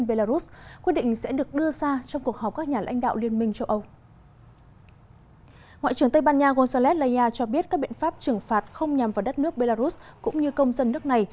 bộ y tế cho biết các biện pháp trừng phạt không nhằm vào đất nước belarus cũng như công dân nước này